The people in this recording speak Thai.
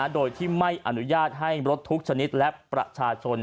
โดยที่ไม่อนุญาตให้รถทุกชนิดและประชาชน